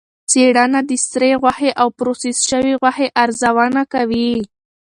څېړنه د سرې غوښې او پروسس شوې غوښې ارزونه کوي.